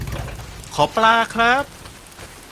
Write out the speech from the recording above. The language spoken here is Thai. ขอปลาครับ